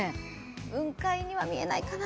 雲海は見えないかな。